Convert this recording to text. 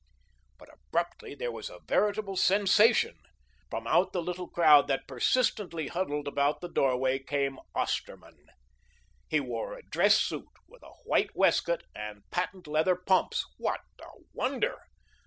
But abruptly there was a veritable sensation. From out the little crowd that persistently huddled about the doorway came Osterman. He wore a dress suit with a white waistcoat and patent leather pumps what a wonder!